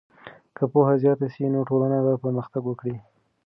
که پوهه زیاته سي نو ټولنه به پرمختګ وکړي.